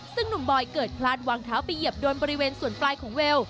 ซึ่งหนุ่มบอยเกิดพลาดวางเท้าไปเหยียบโดนบริเวณส่วนปลายของเวล